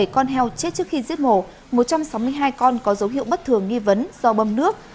bảy con heo chết trước khi giết mổ một trăm sáu mươi hai con có dấu hiệu bất thường nghi vấn do bâm nước